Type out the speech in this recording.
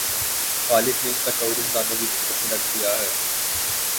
خالق نے اس کا شعور انسانوں کی فطرت میں رکھ دیا ہے۔